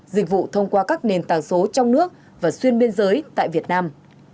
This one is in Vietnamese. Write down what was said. dịch vụ thông qua các nền tảng số trong nước và xuyên biên giới tại việt nam